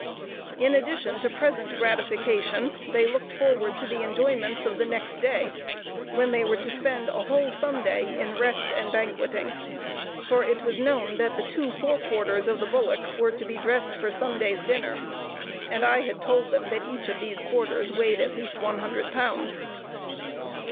In addition to present gratification, they looked forward to the enjoyments of the next day, when they were to spend a whole Sunday in rest and banqueting; for it was known that the two fore quarters of the bullock were to be dressed for Sunday's dinner, and I had told them that each of these quarters weighed at least one hundred pounds.